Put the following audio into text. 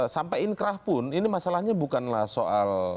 sampai inkrah pun ini masalahnya bukanlah soal